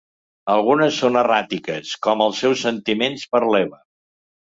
Algunes són erràtiques, com els seus sentiments per l'Eva.